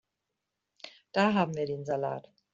Da haben wir den Salat.